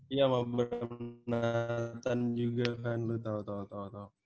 iya sama bernatan juga kan lu tau tau tau tau